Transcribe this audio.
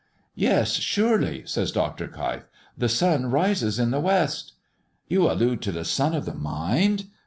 "Yes, surely," says Dr. Keif, "the sun rises in the West." "You allude to the sun of the mind?"